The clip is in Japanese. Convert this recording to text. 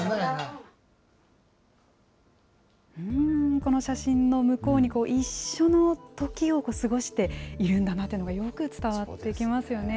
この写真の向こうに、一緒のときを過ごしているんだなということがよく伝わってきますよね。